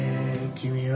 君は。